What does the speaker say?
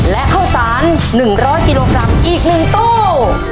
และข้าวสาร๑๐๐กิโลกรัมอีก๑ตู้